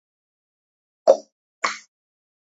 ემინე მიჰრიშაჰ სულთანი დაიბადა საფრანგეთში.